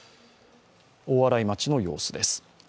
大洗町の様子です。